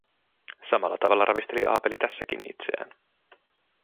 Samalla tavalla ravisteli Aapeli tässäkin itseään.